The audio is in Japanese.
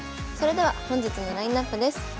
それでは本日のラインナップです。